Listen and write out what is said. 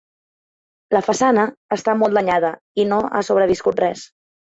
La façana està molt danyada i no ha sobreviscut res.